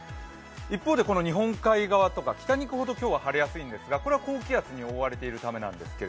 一方で、日本海側とか北に行くほど今日は晴れやすいんですが、これは高気圧に覆われているためです。